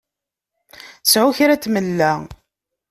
Sεu kra n tmella!